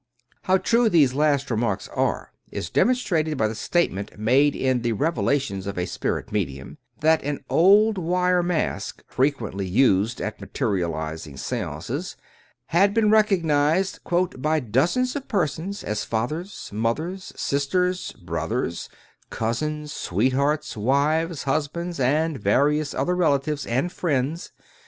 '' How true these last remarks are is demonstrated by the statement, made in The Revelations of a Spirit Me dium^ that an old wire mask frequently used at materializ ing seances had been recognized " by dozens of persons as fathers, mothers, sisters, brothers, cousins, sweethearts, wives, husbands, and various other relatives and friends.